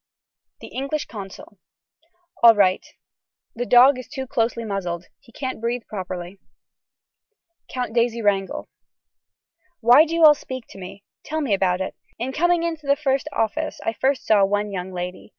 (The English consul.) All right. The dog is too closely muzzled. He can't breathe properly. (Count Daisy Wrangel.) Why do you all speak to me. Let me tell about it. In coming into the first office I first saw one young lady.